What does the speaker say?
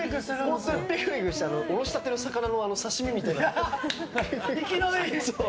本当にぴくぴくしていておろしたての魚の刺し身みたいな。